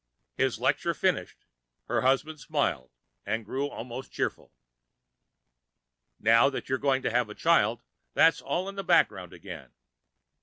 His lecture finished, her husband smiled and grew almost cheerful. "Now that you're going to have a child, that's all in the background again.